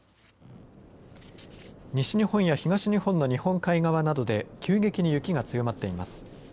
西日本や東日本の日本海側などで急激に雪が強まっています。